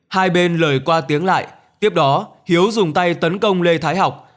hai bên lời qua tiếng lại tiếp đó hiếu dùng tay tấn công lê thái học